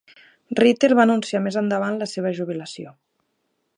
Ritter va anunciar més endavant la seva jubilació.